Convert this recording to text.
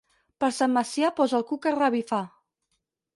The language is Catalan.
Per Sant Macià posa el cuc a revifar.